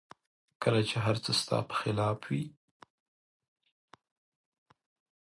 کله چې هر څه ستا په خلاف وي